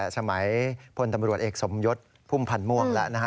พลตำรวจเอกสมยศพุ่มพันธ์ม่วงแล้วนะฮะ